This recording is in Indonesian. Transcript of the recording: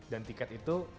dan tiket itu